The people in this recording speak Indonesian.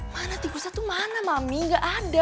mana tikusnya tuh mana mami gak ada